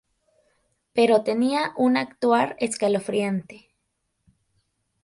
Pero tenía un actuar escalofriante.